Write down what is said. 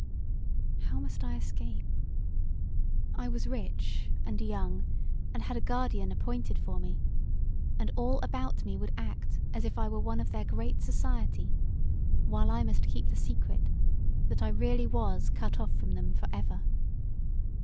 How must I escape? I was rich and young, and had a guardian appointed for me; and all about me would act as if I were one of their great society, while I must keep the secret that I really was cut off from them for ever.